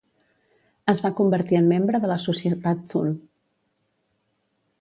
Es va convertir en membre de la Societat Thule.